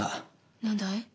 何だい？